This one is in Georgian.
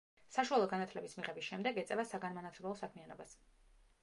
საშუალო განათლების მიღების შემდეგ ეწევა საგანმანათლებლო საქმიანობას.